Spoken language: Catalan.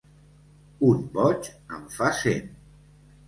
Un boig en fa cent.